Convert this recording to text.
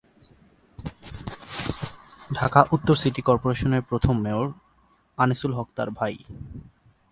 ঢাকা উত্তর সিটি কর্পোরেশনের প্রথম মেয়র আনিসুল হক তার ভাই।